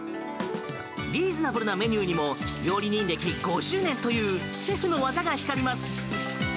リーズナブルなメニューにも料理人歴５０年というシェフの技が光ります！